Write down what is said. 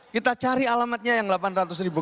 kita cari alamatnya yang delapan ratus ribu